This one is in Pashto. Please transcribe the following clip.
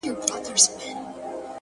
• په غوجل کي چي تړلی نیلی آس وو ,